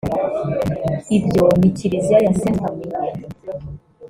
Ibyo ni Kiliziya ya Sainte Famille